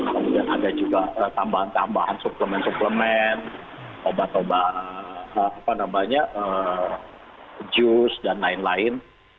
kemudian ada juga tambahan tambahan suplemen suplemen obat obat jus dan lain lain